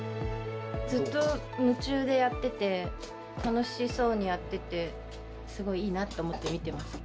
ずっと夢中でやってて、楽しそうにやってて、すごいいいなと思って見てます。